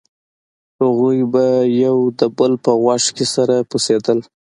هغوى به يو د بل په غوږ کښې سره پسېدل.